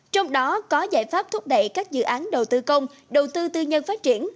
trong đó có giải pháp thúc đẩy các dự án đầu tư công đầu tư tư nhân phát triển